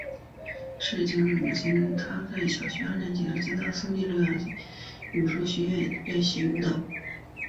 陈世瑶的父母在她小学二年级时就将她送进洛阳市春芽国际体育舞蹈俱乐部练习舞蹈。